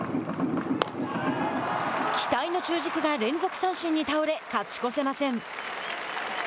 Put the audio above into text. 期待の中軸が連続三振に倒れ勝ち越せません。